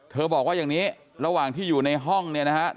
บอกว่าอย่างนี้ระหว่างที่อยู่ในห้องเนี่ยนะครับ